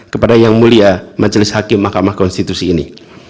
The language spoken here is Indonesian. kepada yang mulia majelis hakim mahkamah konstitusi ini